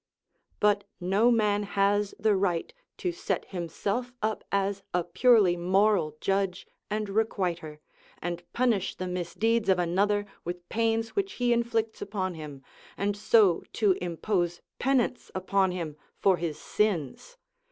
But no man has the right to set himself up as a purely moral judge and requiter, and punish the misdeeds of another with pains which he inflicts upon him, and so to impose penance upon him for his sins.